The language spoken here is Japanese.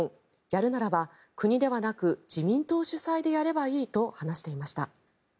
やるならば国ではなく自民党主催でやればいいと話していました。